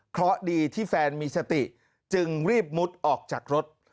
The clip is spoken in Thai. เพราะดีที่แฟนมีสติจึงรีบมุดออกจากรถ